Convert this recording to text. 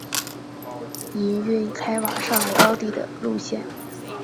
营运开往上高地的路线。